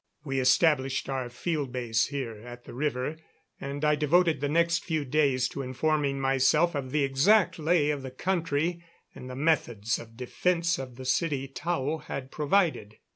We established our field base here at the river, and I devoted the next few days to informing myself of the exact lay of the country, and the methods of defense of the city Tao had provided.